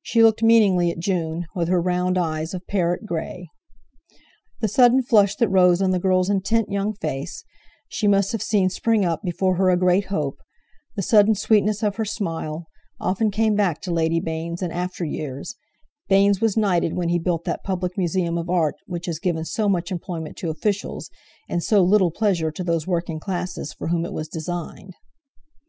She looked meaningly at June, with her round eyes of parrot grey. The sudden flush that rose on the girl's intent young face—she must have seen spring up before her a great hope—the sudden sweetness of her smile, often came back to Lady Baynes in after years (Baynes was knighted when he built that public Museum of Art which has given so much employment to officials, and so little pleasure to those working classes for whom it was designed).